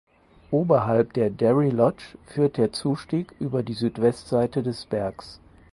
Oberhalb der "Derry Lodge" führt der Zustieg über die Südwestseite des Bergs.